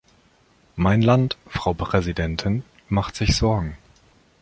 Mein Land, Frau Präsidentin, macht sich Sorgen.